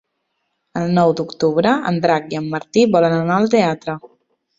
El nou d'octubre en Drac i en Martí volen anar al teatre.